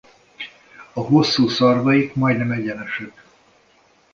A hosszú szarvaik majdnem egyenesek.